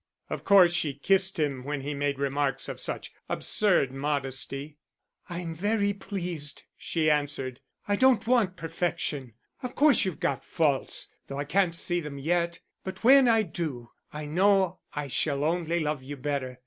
Of course she kissed him when he made remarks of such absurd modesty. "I'm very pleased," she answered; "I don't want perfection. Of course you've got faults, though I can't see them yet. But when I do, I know I shall only love you better.